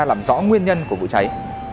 làm rõ nguyên nhân của vụ cháy